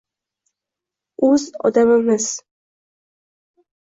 O‘z odamimiz!